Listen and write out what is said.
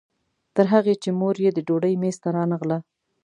تر هغې چې مور یې د ډوډۍ میز ته رانغله.